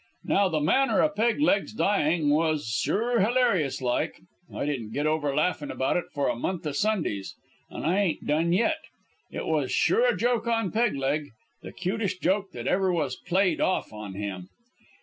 "Now the manner o' Peg leg's dying was sure hilarious like. I didn't git over laughin' about it for a month o' Sundays an' I ain't done yet. It was sure a joke on Peg leg. The cutest joke that ever was played off on him.